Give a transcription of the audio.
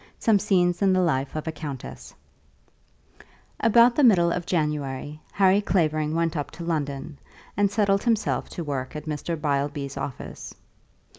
SOME SCENES IN THE LIFE OF A COUNTESS. About the middle of January Harry Clavering went up to London, and settled himself to work at Mr. Beilby's office.